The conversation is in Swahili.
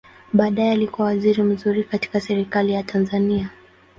Baadaye alikua waziri mzuri katika Serikali ya Tanzania.